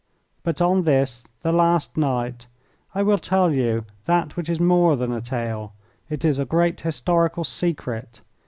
But on this the last night I will tell you that which is more than a tale it is a great historical secret.